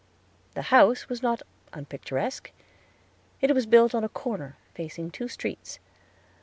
The house was not unpicturesque. It was built on a corner, facing two streets.